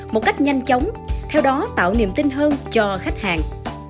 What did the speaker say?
một cách nhanh chóng theo đó tạo niềm tin hơn cho khách hàng